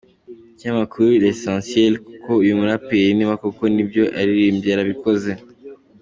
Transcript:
ikinyamakuru LEssentiel ko uyu muraperi niba koko ibyo yaririmbye yarabikoze.